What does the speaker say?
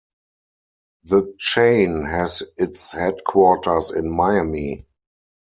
The chain has its headquarters in Miami.